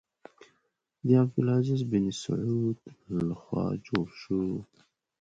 د عبدالعزیز بن سعود له خوا جوړ شو.